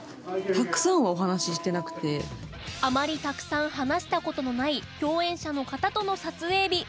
あまりたくさん話した事のない共演者の方との撮影日